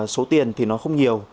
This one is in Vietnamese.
số tiền thì nó không nhiều